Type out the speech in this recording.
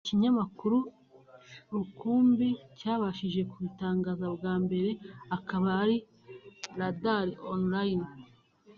Ikinyamakuru rukumbi cyabashije kubitangaza bwa mbere akaba ari RadarOnline